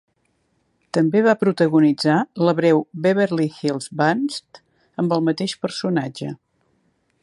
També va protagonitzar la breu "Beverly Hills Buntz" amb el mateix personatge.